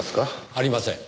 ありません。